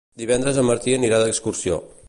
Divendres en Martí anirà d'excursió.